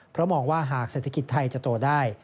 เพราะมองว่าหากเศรษฐกิจไทยจะโตได้